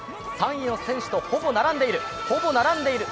３位の選手とほぼ並んでいる、どうか。